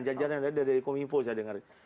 jajaran dari komunikasi saya dengar